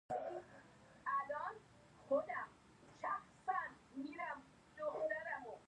د پارکینسن لپاره د څه شي اوبه وکاروم؟